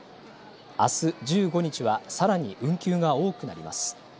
あす１５日はさらに運休が多くなります。